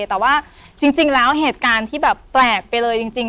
แต่ว่าจริงแล้วเหตุการณ์ที่แบบแปลกไปเลยจริง